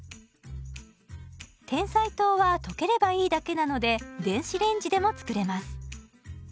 てんさい糖は溶ければいいだけなので電子レンジでも作れます。